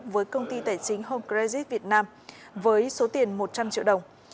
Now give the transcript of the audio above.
với công ty tài chính home credit việt nam với số tiền một trăm linh triệu đồng